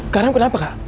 kak ram kenapa kak